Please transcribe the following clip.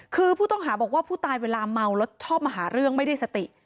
คือผู้ต้องหาบอกว่าผู้ตายเวลาเมาแล้วชอบมาหาเรื่องไม่ได้สติ